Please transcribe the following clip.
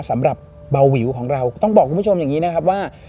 สำหรับเบาวิวของเราต้องบอกคุณผู้ชมอย่างนี้นะครับว่า